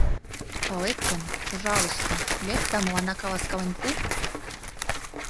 — Палет гын, пожалуйста, лек да мыланна каласкален пу...